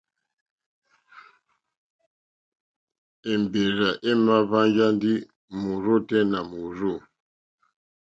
Èmbèrzà èmà hwánjá ndí mòrzô tɛ́ nà mòrzô.